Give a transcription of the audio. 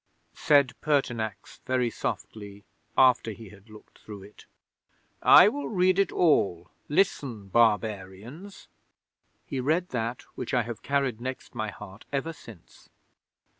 'Said Pertinax, very softly, after he had looked through it: "I will read it all. Listen, barbarians!" He read that which I have carried next my heart ever since.'